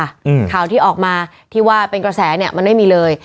อืมข่าวที่ออกมาที่ว่าเป็นกระแสเนี้ยมันไม่มีเลย